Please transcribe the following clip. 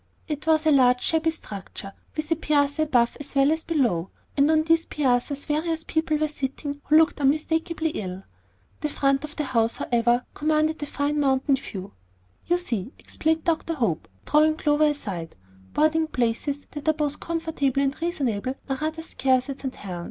It was a large shabby structure, with a piazza above as well as below, and on these piazzas various people were sitting who looked unmistakably ill. The front of the house, however, commanded the fine mountain view. "You see," explained Dr. Hope, drawing Clover aside, "boarding places that are both comfortable and reasonable are rather scarce at St. Helen's.